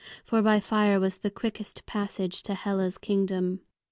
For by fire was the quickest passage to Hela's kingdom.